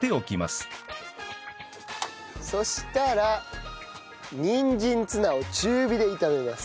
そしたらにんじんツナを中火で炒めます。